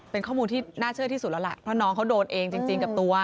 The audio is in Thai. เป็นข้อมูลที่น่าเชื่อที่สุดแล้วล่ะเพราะน้องเขาโดนเองจริงกับตัว